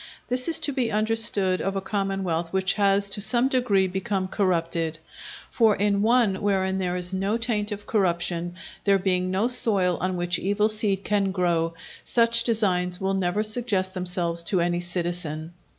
This is to be understood of a commonwealth which has to some degree become corrupted; for in one wherein there is no taint of corruption, there being no soil in which evil seed can grow, such designs will never suggest themselves to any citizen.